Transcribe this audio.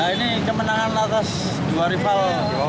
ini kemenangan atas dua rival